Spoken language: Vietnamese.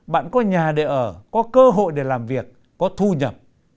bạn có nhà để ở có cơ hội để làm việc có thu nhập